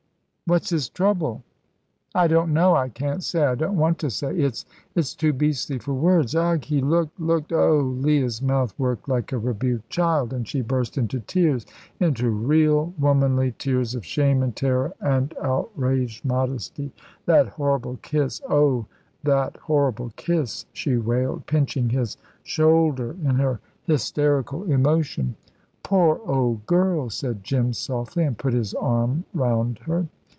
"What's his trouble?" "I don't know I can't say. I don't want to say. It's it's too beastly for words. Ugh! He looked looked oh!" Leah's mouth worked like a rebuked child, and she burst into tears into real womanly tears of shame and terror and outraged modesty. "That horrible kiss oh, that horrible kiss!" she wailed, pinching his shoulder in her hysterical emotion. "Poor old girl," said Jim, softly, and put his arm round her.